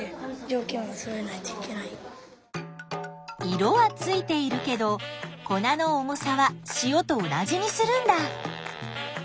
色はついているけど粉の重さは塩と同じにするんだ。